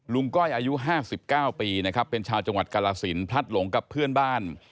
ก้อยอายุ๕๙ปีนะครับเป็นชาวจังหวัดกรสินพลัดหลงกับเพื่อนบ้าน